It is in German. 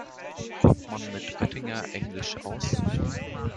Kommt man mit Oettinger-Englisch aus?